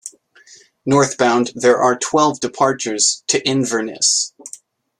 Northbound there are twelve departures to Inverness.